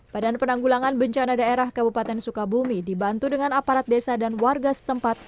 badan penanggulangan bencana daerah kabupaten sukabumi dibantu dengan aparat desa dan warga setempat